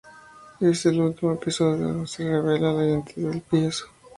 En el último episodio, se revela la identidad del payaso.